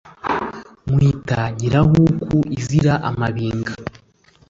Nkwita nyirahuku izira amabinga